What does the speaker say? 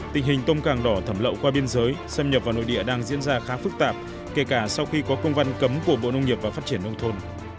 tình hình tôm càng đỏ thẩm lậu qua biên giới xâm nhập vào nội địa đang diễn ra khá phức tạp kể cả sau khi có công văn cấm của bộ nông nghiệp và phát triển nông thôn